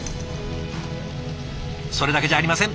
それだけじゃありません。